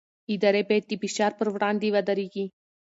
ادارې باید د فشار پر وړاندې ودرېږي